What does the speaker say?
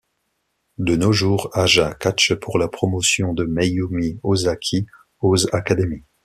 De nos jours, Aja catche pour la promotion de Mayumi Ozaki, Oz Academy.